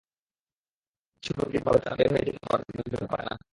কিছু প্রতিযোগী ভাবে তারা বের হয়ে যেতে পারবে, কিন্তু বের হতে পারে না।